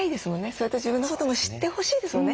それと自分のことも知ってほしいですもんね。